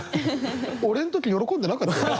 俺ん時喜んでなかったよね？